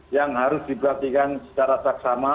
yang harus diperhatikan secara taksama